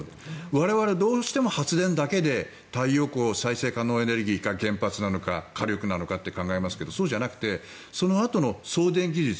我々どうしても発電だけで太陽光、再生可能エネルギー火力なのかと考えますがそうじゃなくてそのあとの送電技術